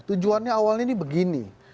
tujuannya awalnya ini begini